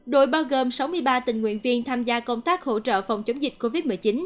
đội bao gồm sáu mươi ba tình nguyện viên tham gia công tác hỗ trợ phòng chống dịch covid một mươi chín